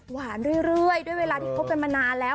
หวานเรื่อยด้วยเวลาที่คบกันมานานแล้ว